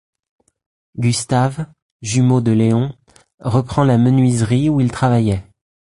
Gustave, jumeau de Léon, reprend la menuiserie où il travaillait.